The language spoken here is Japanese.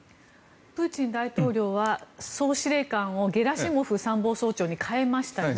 プーチン大統領は総司令官をゲラシモフ参謀総長に代えましたよね。